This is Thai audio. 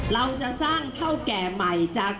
และไม่ควรเอาไปส่วนกลาโหม